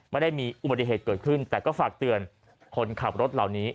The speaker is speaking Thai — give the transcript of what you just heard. ไม่ได้มีอุบัติเหตุเกิดขึ้นแต่ก็ฝากเตือนคนขับรถเหล่านี้